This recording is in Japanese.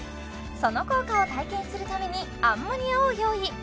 その効果を体験するためにアンモニアを用意